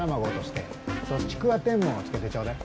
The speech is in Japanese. あとちくわ天もつけてちょうだい。